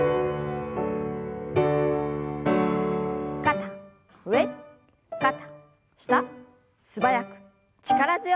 肩上肩下素早く力強く。